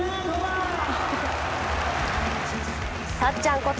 たっちゃんこと